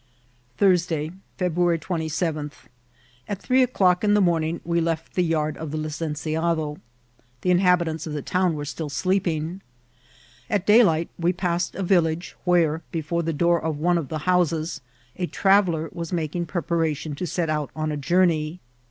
Thursday, February 27. At three o^clock in the morning we left the yard of the licenciado. The in habitants of the town were still sleeping. At dayli^t we passed a village, where, before the door of one of the houses, a traveller was making preparation to set out on a journey.